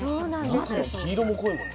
中の黄色も濃いもんね。